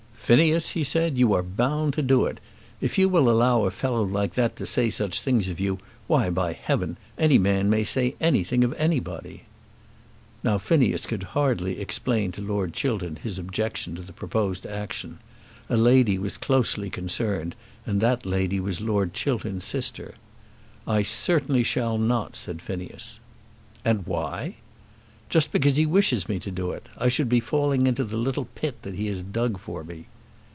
"Phineas," he said, "you are bound to do it. If you will allow a fellow like that to say such things of you, why, by heaven, any man may say anything of anybody." Now Phineas could hardly explain to Lord Chiltern his objection to the proposed action. A lady was closely concerned, and that lady was Lord Chiltern's sister. "I certainly shall not," said Phineas. "And why?" "Just because he wishes me to do it. I should be falling into the little pit that he has dug for me."